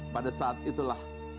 pada saat itulah